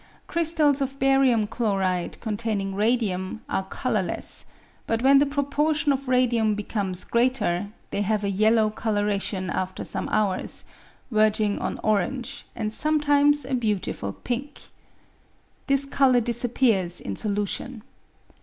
Crystals of barium chloride con taining radium are colourless, but when the proportion of radium becomes greater, they have a yellow colouration after some hours, verging on orange, and sometimes a beautiful pink. This colour disappears in solution.